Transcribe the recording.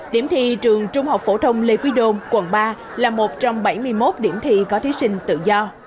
điểm thi trường trung học phổ thông lê quý đôn quận ba là một trong bảy mươi một điểm thi có thí sinh tự do